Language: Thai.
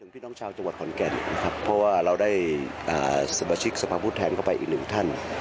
พี่น้องชาวจังหวัดขอนแก่นนะครับเพราะว่าเราได้สมาชิกสภาพผู้แทนเข้าไปอีกหนึ่งท่าน